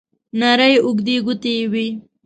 نرۍ اوږدې ګوتې یې وې.